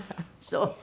そう。